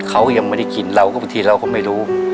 เขายังไม่ได้กินเราก็บางทีเราก็ไม่รู้